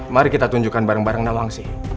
mari kita tunjukkan barang barang nawangsi